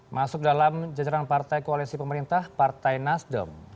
masuk dalam jajaran partai koalisi pemerintah partai nasdem